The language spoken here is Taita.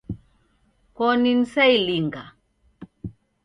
Koni nisailinga